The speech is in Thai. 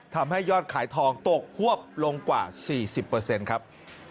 ทำให้ยอดขายทองตกควบลงกว่า๔๐เปอร์เซ็นต์ครับ